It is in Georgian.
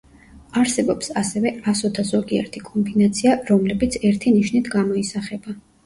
არსებობს ასევე ასოთა ზოგიერთი კომბინაცია, რომლებიც ერთი ნიშნით გამოისახება.